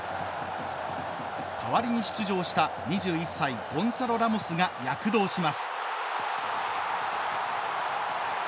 代わりに出場した２１歳ゴンサロ・ラモスが躍動します。